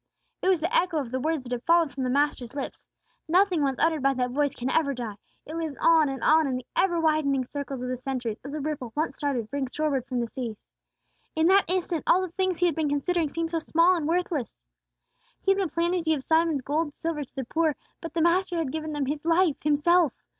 It was the echo of the words that had fallen from the Master's lips. Nothing once uttered by that voice can ever die; it lives on and on in the ever widening circles of the centuries, as a ripple, once started, rings shoreward through the seas. In that instant all the things he had been considering seemed so small and worthless. He had been planning to give Simon's gold and silver to the poor; but the Master had given them His life, Himself!